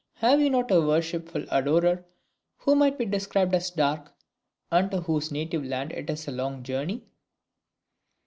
Have you not a worshipful adorer who might be described as dark, and to whose native land it is a long journey?